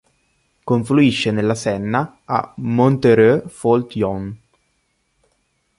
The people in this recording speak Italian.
Confluisce nella Senna a Montereau-Fault-Yonne.